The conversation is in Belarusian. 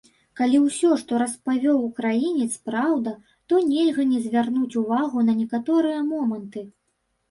Калі ўсё, што распавёў украінец, праўда, то нельга не звярнуць увагу на некаторыя моманты.